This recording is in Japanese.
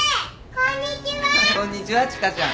こんにちは千賀ちゃん。